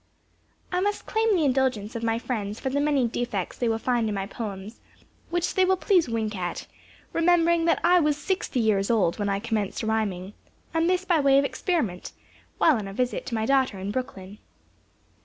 I must claim the indulgence of my friends for the many defects they will find in my poems, which they will please wink at, remembering that I was sixty years old when I commenced rhyming; and this by way of experiment, while on a visit to my daughter, in Brooklyn.